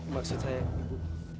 maksud saya ibu